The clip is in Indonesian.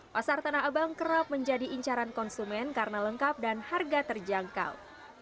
pasar tanah abang kerap menjadi incaran konsumen karena lengkap dan harga terjangkau